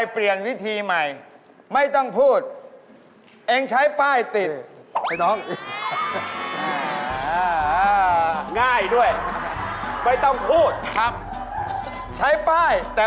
เป็นอย่างไรได้ป้ายมาจากพระ